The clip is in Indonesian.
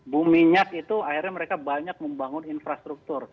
bum minyak itu akhirnya mereka banyak membangun infrastruktur